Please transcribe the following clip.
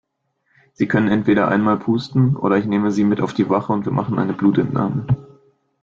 Sie können entweder einmal pusten oder ich nehme Sie mit auf die Wache und wir machen eine Blutentnahme.